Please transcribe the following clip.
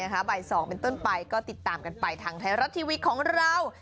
บ่าย๒เป็นต้นไปก็ติดตามกันไปทางไทยรัฐทีวีของเรา